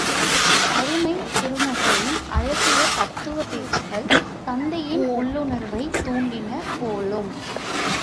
அருமைத் திருமகளின் அழகிய தத்துவப் பேச்சுகள், தந்தையின் உள்ளுணர்வைத் தூண்டின போலும்!